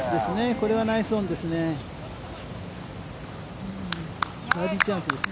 これはノースオンですね。